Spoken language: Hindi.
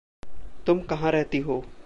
तुम कहाँ रहती हो?